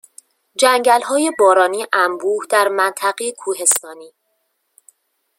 جنگلهای بارانی انبوه در منطقه کوهستانی